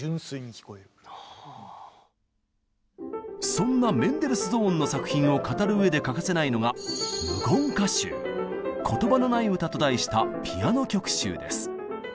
そんなメンデルスゾーンの作品を語るうえで欠かせないのが「言葉のない歌」と題したピアノ曲集です。